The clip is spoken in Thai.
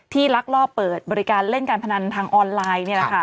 ที่ลักล่อเปิดบริการเล่นการพนันทางออนไลน์นี่แหละค่ะ